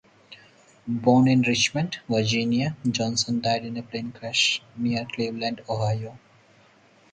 Born in Richmond, Virginia, Johnson died in a plane crash near Cleveland, Ohio.